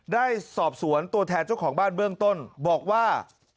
ได้สอบสวนตัวแทนเจ้าของบ้านเบื้องต้นบอกว่า